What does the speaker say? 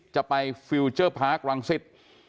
จะไปฟิวเจอร์พาร์ควังศิษย์